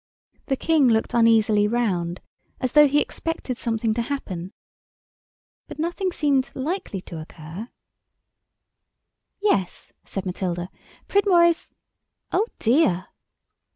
The King looked uneasily round, as though he expected something to happen. But nothing seemed likely to occur. "Yes," said Matilda, "Pridmore is—Oh, dear!"